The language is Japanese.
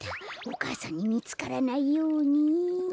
お母さんにみつからないように。